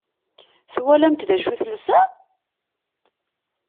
Twalamt d acu i telsa?